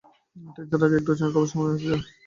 Train ছাড়ার আগে একটু চা খাওয়ার সময় আছে হাতে।